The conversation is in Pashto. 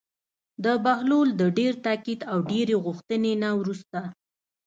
د بهلول د ډېر تاکید او ډېرې غوښتنې نه وروسته.